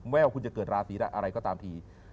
ว่าคุณจะเกิดราศีอะไรก็ตามที